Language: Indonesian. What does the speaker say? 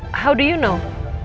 bagaimana kamu tahu